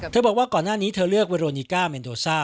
บอกว่าก่อนหน้านี้เธอเลือกเวโรนิก้าเมนโดซ่า